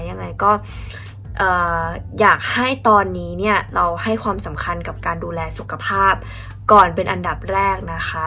ยังไงก็อยากให้ตอนนี้เนี่ยเราให้ความสำคัญกับการดูแลสุขภาพก่อนเป็นอันดับแรกนะคะ